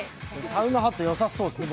サウナハットよさそうですね。